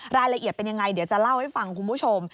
รายละเอียดเป็นยังไงเดี๋ยวจะเล่าให้ฟังคุณผู้ชม